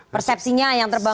persepsinya yang terbangun